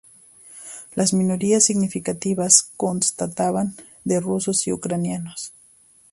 Las minorías significativas constaban de rusos y ucranianos.